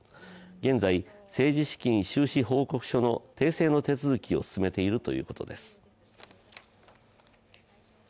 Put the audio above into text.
現在、政治資金収支報告書の訂正の手続きを進めているということです。